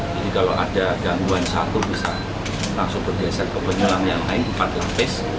jadi kalau ada gangguan satu bisa langsung bergeser ke penyulang yang lain empat lapis